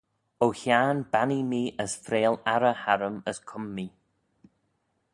O Hiarn bannee mee as freayl arrey harrym as cum mee.